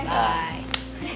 sampai jumpa megan